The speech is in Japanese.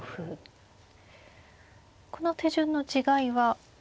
この手順の違いは。